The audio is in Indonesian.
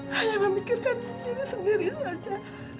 hanya memikirkan diri sendiri saja